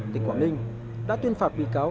tỉnh quảng ninh đã tuyên phạt bị cáo